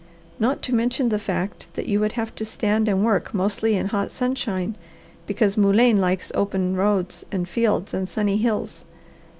Not to mention the fact that you would have to stand and work mostly in hot sunshine, because mullein likes open roads and fields and sunny hills.